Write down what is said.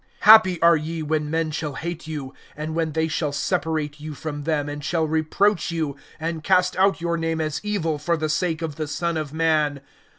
(22)Happy are ye, when men shall hate you, and when they shall separate you from them, and shall reproach you, and cast out your name as evil, for the sake of the Son of man.